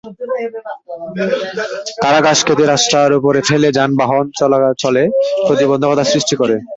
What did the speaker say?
তারা গাছ কেটে রাস্তার ওপরে ফেলে যানবাহন চলাচলে প্রতিবন্ধকতা সৃষ্টি করে।